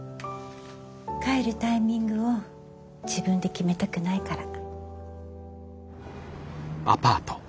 帰るタイミングを自分で決めたくないから。